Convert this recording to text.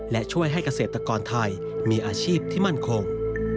และช่วยให้เกษตรกรไทยมีอาชีพที่มั่นคง